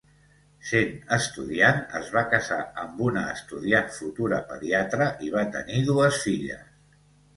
Sent estudiant, es va casar amb una estudiant futura pediatra i va tenir dues filles.